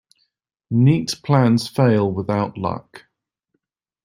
Neat plans fail without luck.